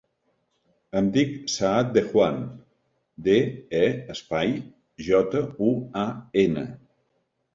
Em dic Saad De Juan: de, e, espai, jota, u, a, ena.